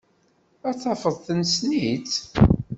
Ad tafeḍ nessen-itt.